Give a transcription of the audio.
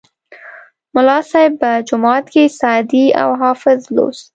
ملا صیب به جومات کې سعدي او حافظ لوست.